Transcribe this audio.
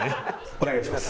お願いします。